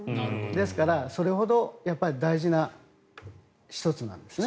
ですからそれほど大事な１つなんですね。